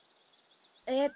えっと